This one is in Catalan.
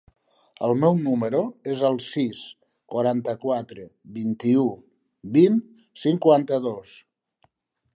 El meu número es el sis, quaranta-quatre, vint-i-u, vint, cinquanta-dos.